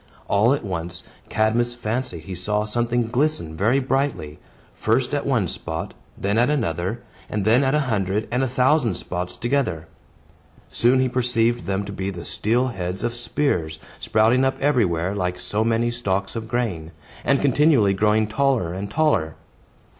All at once, Cadmus fancied he saw something glisten very brightly, first at one spot, then at another, and then at a hundred and a thousand spots together. Soon he perceived them to be the steel heads of spears, sprouting up everywhere like so many stalks of grain, and continually growing taller and taller.